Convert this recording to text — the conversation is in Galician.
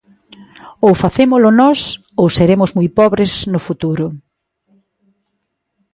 Ou facémolo nós ou seremos moi pobres no futuro.